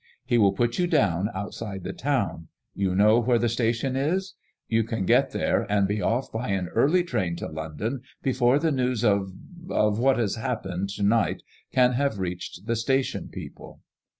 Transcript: He will put you down outside the town ; you know where the station is ? You can MADEMOISELLE IXB. 1 69 get there, and be off by an early train to London before the news of — of what has happened to night can have reached the station people.